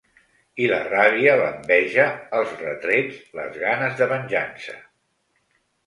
I la ràbia, l’enveja, els retrets, les ganes de venjança.